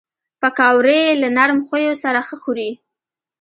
پکورې له نرم خویو سره ښه خوري